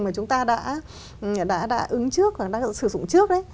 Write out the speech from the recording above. mà chúng ta đã ứng trước và đã sử dụng trước đấy